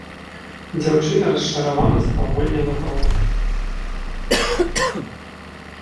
Дзяўчына расчаравана запавольніла крок.